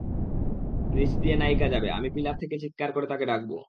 নিচ দিয়ে নায়িকা যাবে, আমি পিলার থেকে চিৎকার করে তাকে ডাকব।